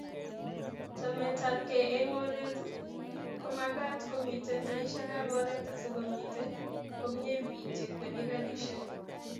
chametabgei eng oret komagaat komiten taishekab oret asigomite komnyei biik chekwerie karishek